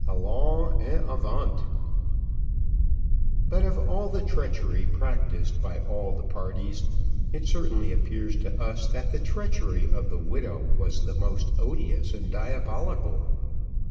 Allons en avant. But of all the treachery practised by all the parties, it certainly appears to us that the treachery of the widow was the most odious and diabolical.